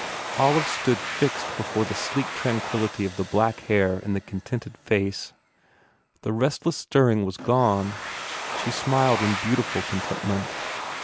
Olive stood fixed before the sleek tranquillity of the black hair and the contented face. The restless stirring was gone. She smiled in beautiful con tentment.